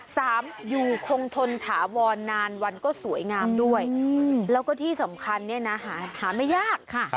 สามอยู่คงทนถาวรนานวันก็สวยงามด้วยแล้วก็ที่สำคัญเนี่ยนะหาไม่ยากค่ะ